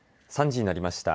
３時になりました。